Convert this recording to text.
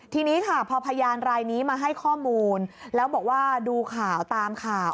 ทีนี้ค่ะพอพยานรายนี้มาให้ข้อมูลแล้วบอกว่าดูข่าวตามข่าว